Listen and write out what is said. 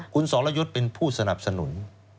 คุณสรยุทธ์เป็นผู้สนับสนุน